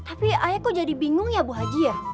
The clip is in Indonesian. tapi ayah kok jadi bingung ya bu haji ya